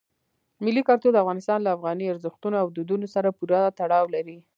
ملي کلتور د افغانستان له افغاني ارزښتونو او دودونو سره پوره تړاو لري.